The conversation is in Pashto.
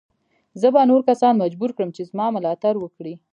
زه به نور کسان مجبور کړم چې زما ملاتړ وکړي.